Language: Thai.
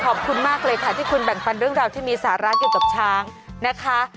ขอบคุณมากเลยค่ะที่คุณแบ่งฟันเรื่องราวที่มีสาระเกี่ยวกับช้างนะคะ